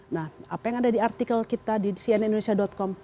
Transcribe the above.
nah apa yang ada di artikel kita di cnnindonesia com